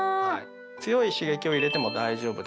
強い刺激を入れても大丈夫です。